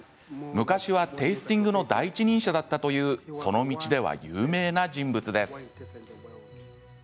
昔はテースティングの第一人者だったというその道では有名な人物です。